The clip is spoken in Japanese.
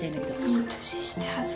いい年して恥ず。